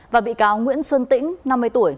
và bị cáo nguyễn xuân tĩnh năm mươi tuổi